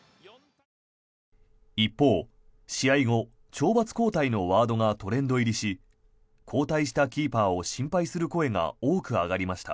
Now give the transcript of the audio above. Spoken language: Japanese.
一方、試合後懲罰交代のワードがトレンド入りし交代したキーパーを心配する声が多く上がりました。